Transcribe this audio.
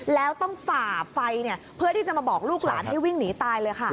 แล้วต้องฝ่าไฟเพื่อที่จะมาบอกลูกหลานให้วิ่งหนีตายเลยค่ะ